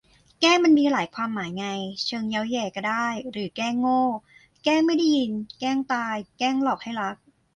แกล้งมันมีหลายความหมายไง เชิงเย้าแหย่ก็ได้ หรือแกล้งโง่ แกล้งไม่ได้ยิน แกล้งตาย แกล้งหลอกให้รัก